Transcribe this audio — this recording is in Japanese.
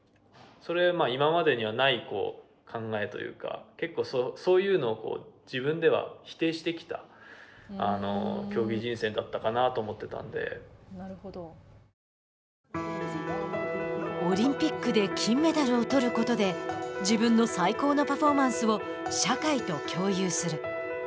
それ今までにはない考えというか結構そういうのを自分では否定してきた競技人生だったかなオリンピックで金メダルをとることで自分の最高のパフォーマンスを社会と共有する。